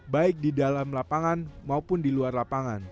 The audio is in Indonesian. baik di dalam lapangan maupun di luar lapangan